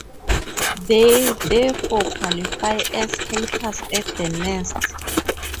They therefore qualify as helpers at the nest.